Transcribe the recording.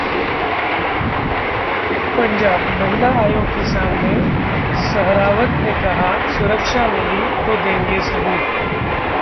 पंजाबः महिला आयोग के सामने सहरावत ने कहा- सुरक्षा मिली तो देंगे सबूत